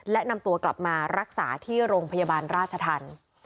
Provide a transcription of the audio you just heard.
และนำตัวกลับมารักษาที่โรงพยาบาลราชธรรม